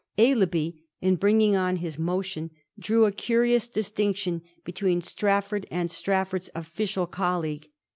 Aislabie, in bringing on his motion, drew a curious iJistinction between Strafford and Strafford's official colleague.